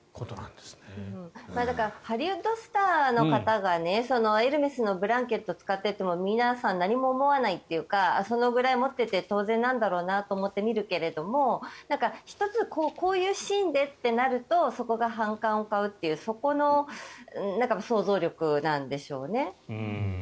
だからハリウッドスターの方がエルメスのブランケットを使ってても皆さん、何も思わないというかそのぐらい持っていて当然なんだろうなと思って見るけれども１つ、こういうシーンでとなるとそこが反感を買うというそこの想像力なんでしょうね。